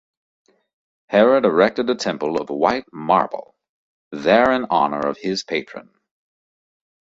Herod erected a temple of 'white marble' there n honour of his patron.